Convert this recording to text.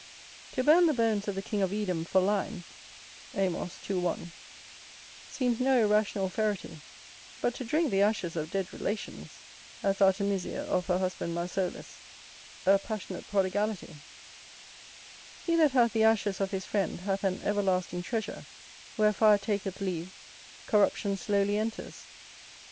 To burn the bones of the king of Edom for lime,[BD] seems no irrational ferity; but to drink of the ashes of dead relations,[BE] a passionate prodigality. He that hath the ashes of his friend, hath an everlasting treasure; where fire taketh leave, corruption slowly enters.